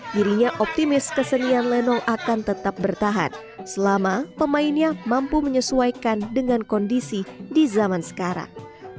dirinya optimis kesenian lenong akan tetap bertahan selama pemainnya mampu menyesuaikan dengan kondisi di zaman sekarang